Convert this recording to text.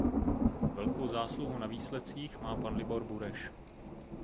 Velkou zásluhu na výsledcích má pan Libor Bureš.